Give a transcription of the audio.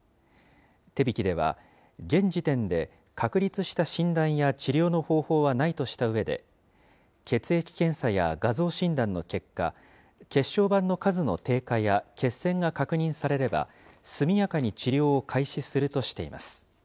手引では、現時点で確立した診断や治療の方法はないとしたうえで、血液検査や画像診断の結果、血小板の数の低下や血栓が確認されれば、速やかに治療を開始するとしています。